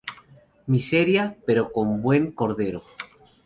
Miseria, pero muy buen cordero.